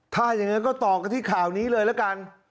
ถ้าอย่างนั้นก็ต่อกันที่ข่าวนี้เลยละกัน